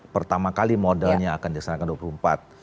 pertama kali modalnya akan dilaksanakan dua puluh empat